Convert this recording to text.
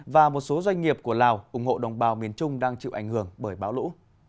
và một số doanh nghiệp của lào ủng hộ đồng bào miền trung đang chịu ảnh hưởng bởi bão lũ